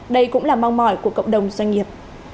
đây cũng là mong mỏi của cộng đồng doanh nghiệp